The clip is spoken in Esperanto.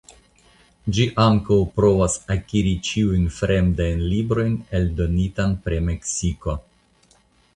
Ĝi ankaŭ provas akiri ĉiuj fremdaj libroj eldonita pri Meksiko.